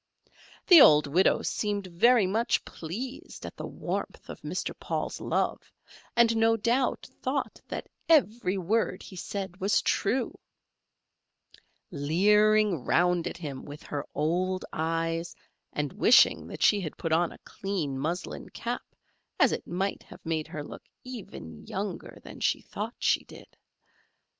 The old widow seemed very much pleased at the warmth of Mr. Paul's love, and no doubt thought that every word he said was true; leering round at him with her old eyes, and wishing that she had put on a clean muslin cap, as it might have made her look even younger than she thought she did.